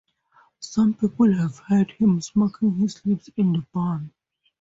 Some people have heard him smacking his lips in the barn.